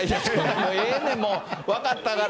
もうええねん、分かったから。